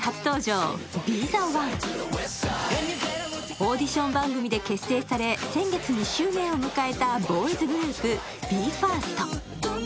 オーディション番組で結成され、先月２周年を迎えたボーイズグループ・ＢＥ：ＦＩＲＳＴ。